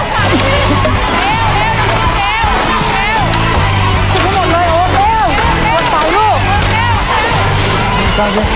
ไปเดินเร็ววางไปช่วยท่อ